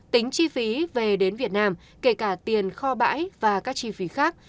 tính chi phí về đến việt nam kể cả tiền kho bãi và các chi phí khác